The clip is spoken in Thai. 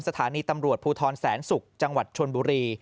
จังหวัดพูทรแสนสุกจังหวัดชวนบุรี